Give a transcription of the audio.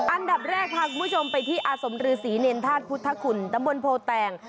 อันดับแรกพาคุณผู้ชมไปที่อาสมฤษีเนรธาตุพุทธคุณตำบลโพแตง